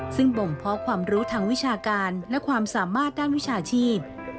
ซึ่งบ่งเพราะความรู้ทางวิชาการและความสามารถด้านวิชาชีพ